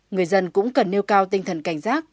người dân cũng cần nêu cao tinh thần cảnh giác